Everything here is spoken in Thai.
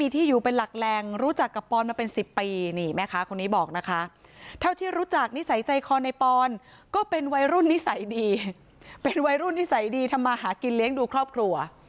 แต่ใจคอในปอนก็เป็นวัยรุ่นนิสัยดีเป็นวัยรุ่นนิสัยดีทำมาหากินเลี้ยงดูครอบครัว